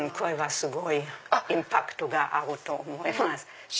すごいインパクトがあると思います。